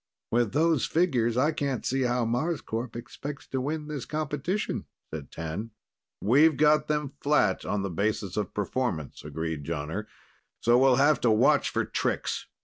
"With those figures, I can't see how Marscorp expects to win this competition," said T'an. "We've got them, flat, on the basis of performance," agreed Jonner. "So we'll have to watch for tricks.